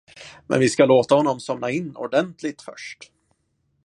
Men vi ska låta honom somna in ordentligt först.